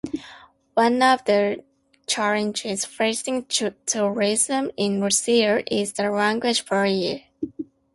One of the challenges facing tourism in Russia is the language barrier.